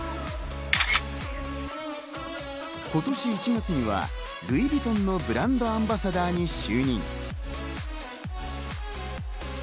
今年１月にはルイ・ヴィトンのブランドアンバサダーに就任。